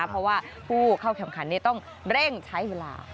เพราะว่าผู้เข้าแข่งขันต้องเร่งใช้เวลา